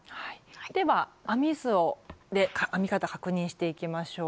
では編み図で編み方確認していきましょう。